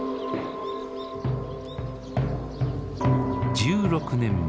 １６年前。